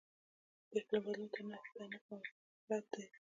د اقلیم بدلون ته نه پام غفلت دی.